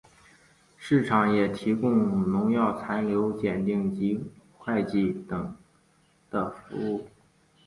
市场也提供农药残留检定及会计等的服务。